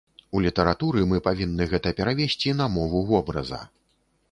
У літаратуры мы павінны гэта перавесці на мову вобраза.